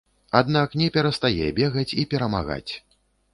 Аднак не перастае бегаць і перамагаць.